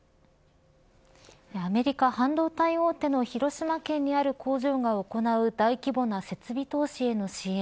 アメリカ半導体大手の広島県にある工場が行う大規模な設備投資への支援